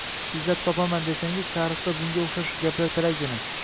Izlab topaman desangiz, tarixda bunga o‘xshash gaplar talaygina